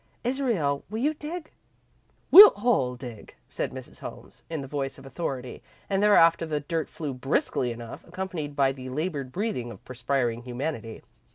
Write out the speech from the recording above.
Israel, will you dig?" "We'll all dig," said Mrs. Holmes, in the voice of authority, and thereafter the dirt flew briskly enough, accompanied by the laboured breathing of perspiring humanity.